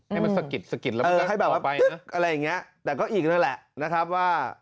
ให้มันสะกิดสะกิดแล้วมันก็ให้แบบไปนะอะไรอย่างเงี้ยแต่ก็อีกนั่นแหละนะครับว่า